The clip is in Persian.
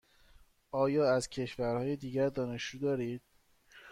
آیا از کشورهای دیگر دانشجو دارید؟